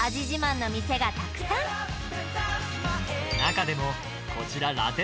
自慢の店がたくさん中でもこちら羅